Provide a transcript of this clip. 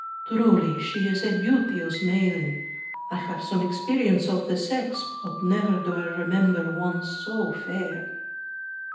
Truly she is a beauteous maiden. I have some experience of the sex, but never do I remember one so fair."